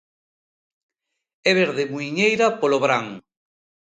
E verde muiñeira polo vran.